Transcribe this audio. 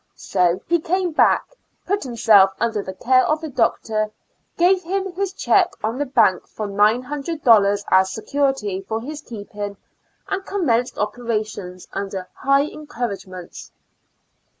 So he came back; put him self under the care of the doctor; gave him his check on the bank for nine hundred dollars as security for his keeping, and commenced operations under high encour a2:ements.